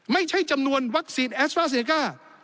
ไม่ใช่จำนวนวัคซีนแอศฟ้าเศรษฐกาล